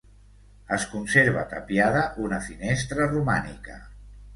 Es conserva tapiada una finestra romànica.